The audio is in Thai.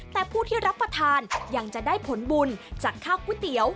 แต่ผู้ที่รับประทานยังจะได้ผลบุญจากข้าวก๋วยเตี๋ยว